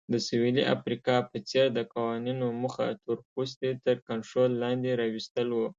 د سویلي افریقا په څېر د قوانینو موخه تورپوستي تر کنټرول لاندې راوستل وو.